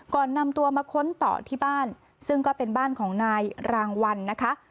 ก่อนนำตัวมาค้นต่อที่บ้านซึ่งก็เป็นบ้านของนายรางวัลนะคะ